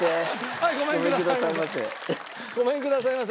はいごめんくださいませ。